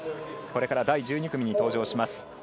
これから第１２組に登場します。